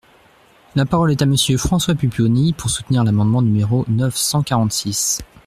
La parole est à Monsieur François Pupponi, pour soutenir l’amendement numéro neuf cent quarante-six.